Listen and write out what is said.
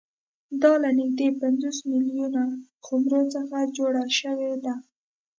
دا له نږدې پنځوس میلیونه خُمرو څخه جوړه شوې ده